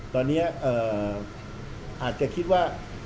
ตอนเนี้ยอ่าอาจจะคิดว่า